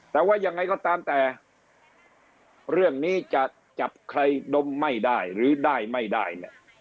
แต่ว่ายังไงก็ตามแต่เรื่องนี้จะจับใครดมไม่ได้หรือได้ไม่ได้เนี่ย